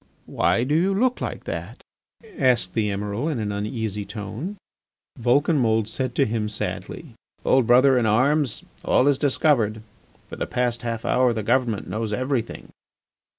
"My do you look like that?" asked the Emiral in an uneasy tone. Vulcanmould said to him sadly: "Old brother in arms, all is discovered. For the past half hour the government knows everything."